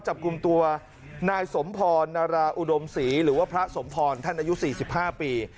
จับกลุ่มตัวนายสมพรนาราอุดมศรีหรือว่าพระสมพรท่านอายุ๔๕ปี